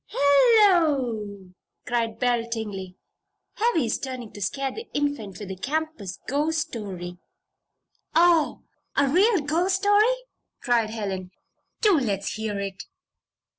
"Hello!" cried Belle Tingley. "Heavy's trying to scare the Infant with the campus ghost story." "Oh! a real ghost story!" cried Helen. "Do let's hear it."